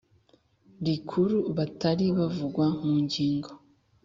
Rikuru batari abavugwa mu ngingo